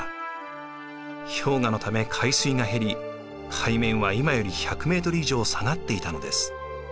氷河のため海水が減り海面は今より１００ｍ以上下がっていたのです。